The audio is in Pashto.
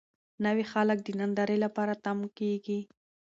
نوي خلک د نندارې لپاره تم کېږي.